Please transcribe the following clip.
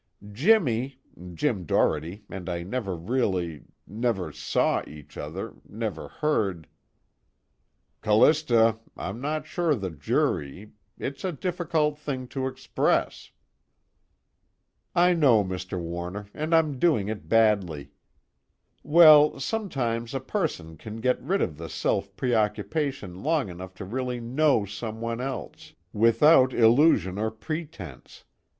Jimmy Jim Doherty and I never really never saw each other, never heard " "Callista, I'm not sure the jury it's a difficult thing to express." "I know, Mr. Warner, and I'm doing it badly. Well sometimes a person can get rid of the self preoccupation long enough to really know someone else, without illusion or pretense.